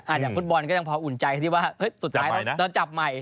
จากฟุตบอลก็ยังพออุ่นใจที่ว่าสุดท้ายเราจับใหม่